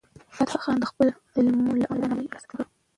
فتح خان د خپلو عملونو له امله درناوی ترلاسه کړ.